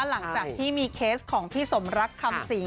หลังจากที่มีเคสของพี่สมรักคำสิง